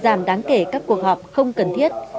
giảm đáng kể các cuộc họp không cần thiết